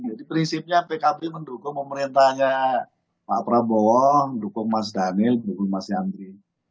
prinsipnya pkb mendukung pemerintahnya pak prabowo mendukung mas daniel mendukung mas yandri